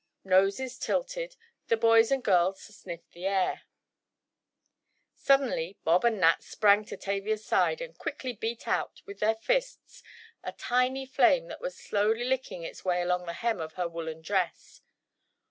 Noses tilted, the boys and girls sniffed the air. Suddenly Bob and Nat sprang to Tavia's side and quickly beat out, with their fists, a tiny flame that was slowly licking its way along the hem of her woollen dress.